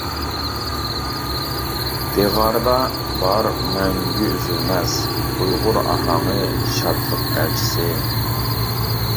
دىغاردا بار مەڭگۈ ئۈزۈلمەس، ئۇيغۇر ئاھاڭى، شادلىق ئەلچىسى.